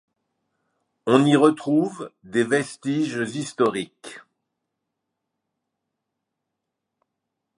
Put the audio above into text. On y retrouve des vestiges historiques.